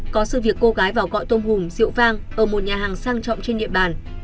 có sự việc cô gái vào cõi tôm hùm rượu vang ở một nhà hàng sang trọng trên địa bàn